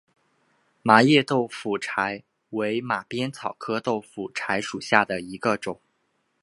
麻叶豆腐柴为马鞭草科豆腐柴属下的一个种。